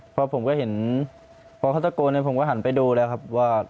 พอผมก็เห็นพอเขาตะโกนเนี่ยผมก็หันไปดูแล้วครับว่า